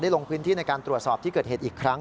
ลงพื้นที่ในการตรวจสอบที่เกิดเหตุอีกครั้ง